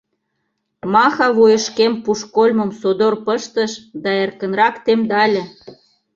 Маха вуйышкем пушкольмым содор пыштыш да эркынрак темдале.